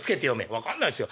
「分かんないすよ。